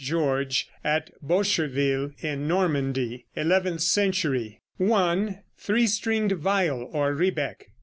GEORGE, AT BOSCHERVILLE, IN NORMANDY. ELEVENTH CENTURY. (1) Three stringed viol or rebec.